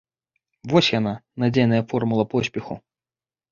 Вось яна, надзейная формула поспеху!